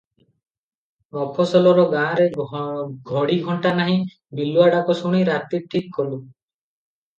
ମଫସଲର ଗାଁରେ ଘଡ଼ି ଘଣ୍ଟା ନାହିଁ, ବିଲୁଆ ଡାକ ଶୁଣି ରାତି ଠିକ୍ କଲୁଁ ।